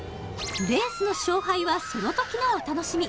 レースの勝敗はそのときのお楽しみ